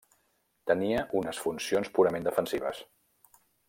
Tenia unes funcions purament defensives.